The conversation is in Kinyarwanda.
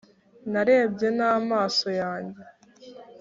narebye n’amaso yanjye,